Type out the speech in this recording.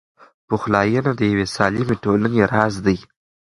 پخلاینه د یوې سالمې ټولنې راز دی.